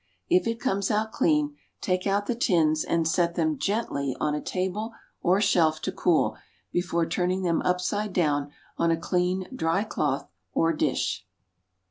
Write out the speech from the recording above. If it comes out clean, take out the tins and set them gently on a table or shelf to cool before turning them upside down on a clean, dry cloth or dish.